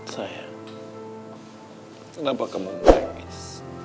sayang kenapa kamu menangis